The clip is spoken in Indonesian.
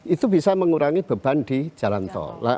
itu bisa mengurangi beban di jalan tol